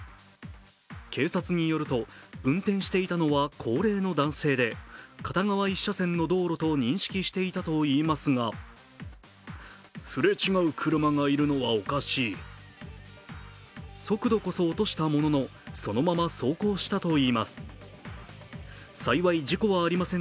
警察によると運転していたのは高齢の男性で、片側１車線の道路と認識していたといいますが速度こそ落としたもののそのまま走行したといいます。